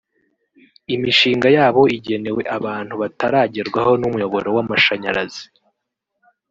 imishinga yabo igenewe abantu bataragerwaho n’umuyoboro w’amashanyarazi